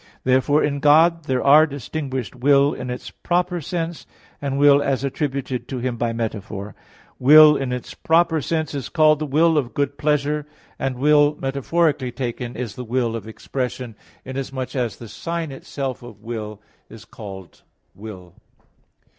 Therefore in God there are distinguished will in its proper sense, and will as attributed to Him by metaphor. Will in its proper sense is called the will of good pleasure; and will metaphorically taken is the will of expression, inasmuch as the sign itself of will is called will.